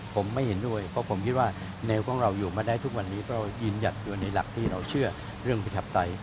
ผมไม่เห็นด้วยเพราะผมคิดว่าแนวของเราอยู่มาได้ทุกวันนี้ก็ยืนหยัดอยู่ในหลักที่เราเชื่อเรื่องประชาปไตย